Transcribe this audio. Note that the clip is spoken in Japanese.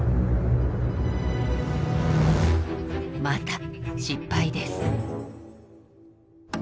また失敗です。